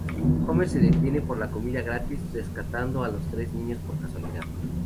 Homer se detiene por la comida gratis, rescatando a los tres niños por casualidad.